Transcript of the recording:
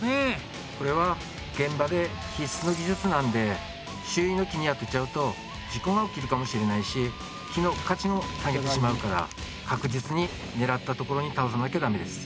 これは現場で必須の技術なんで周囲の木に当てちゃうと事故が起きるかもしれないし木の価値も下げてしまうから確実に狙ったところに倒さなきゃだめです。